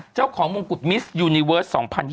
เจ้าของมงกุฎมิสยูนิเวิร์ส๒๐๒๐